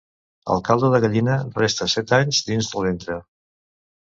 El caldo de gallina resta set anys dins del ventre.